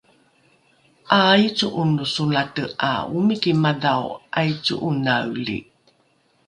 ’aaico’ono solate ’a omiki madhao ’aico’onaeli